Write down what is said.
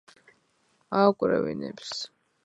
ააკვრევინებს